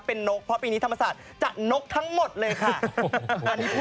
เป็นนกเพราะปีนี้ธรรมศาสตร์จะนกทั้งหมดเลยค่ะ